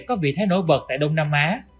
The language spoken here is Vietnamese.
có vị thế nối vật tại đông nam á